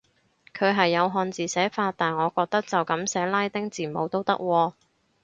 佢係有漢字寫法，但我覺得就噉寫拉丁字母都得喎